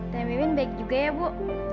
tapi memang baik juga ya bu